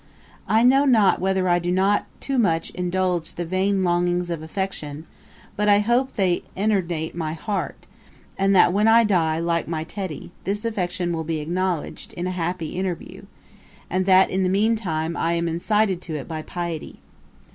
I know not whether I do not too much indulge the vain longings of affection; but I hope they intenerate my heart, and that when I die like my Tetty, this affection will be acknowledged in a happy interview, and that in the mean time I am incited by it to piety.